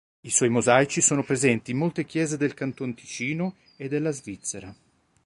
I suoi mosaici sono presenti in molte chiese del Canton Ticino e della Svizzera.